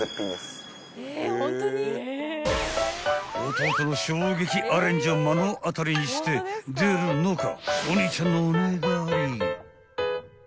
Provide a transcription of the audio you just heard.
［弟の衝撃アレンジを目の当たりにして出るのか？］